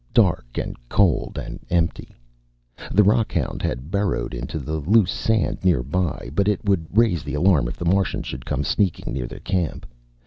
Dark and cold and empty. The rockhound had burrowed into the loose sand nearby, but it would raise the alarm if the Martian should come sneaking near the camp.